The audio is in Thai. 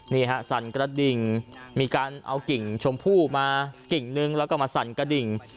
นี่ฮะสั่นกระดิ่งมีการเอากิ่งชมพู่มากิ่งนึงแล้วก็มาสั่นกระดิ่ง